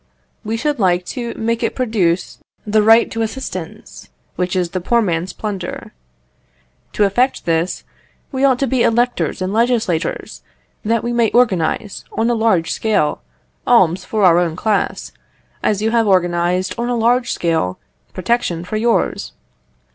We should like to make it produce the right to assistance, which is the poor man's plunder. To effect this, we ought to be electors and legislators, that we may organise, on a large scale, alms for our own class, as you have organised, on a large scale, protection for yours.